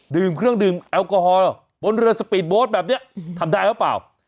ดื่มเครื่องดื่มแอลกอฮอล์บนเรือสปีดโบ๊ทแบบนี้ทำได้หรือเปล่า